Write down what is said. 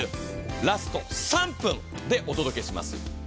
ラスト３分でお届けします。